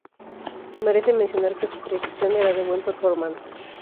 Merece mencionar que su tracción era de buen performance.